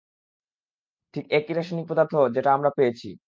ঠিক একই রাসায়নিক পদার্থ যেটা আমরা পেয়েছি।